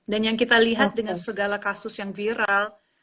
dan yang kita lihat dengan segala kasus yang viral